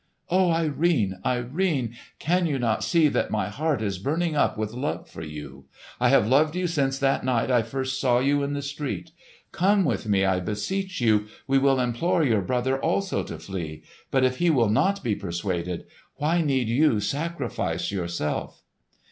"Oh, Irene, Irene! Can you not see that my heart is burning up with love for you? I have loved you since that night I first saw you in the street. Come with me, I beseech you! We will implore your brother also to flee; but if he will not be persuaded, why need you sacrifice yourself?"